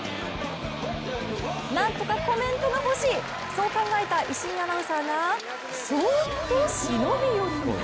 何とかコメントが欲しいそう考えた石井アナウンサーがそーっと忍び寄ります。